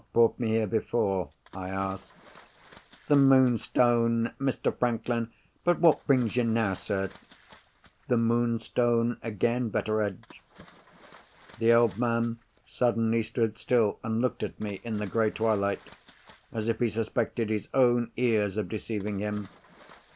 "What brought me here before?" I asked. "The Moonstone, Mr. Franklin. But what brings you now, sir?" "The Moonstone again, Betteredge." The old man suddenly stood still, and looked at me in the grey twilight as if he suspected his own ears of deceiving him.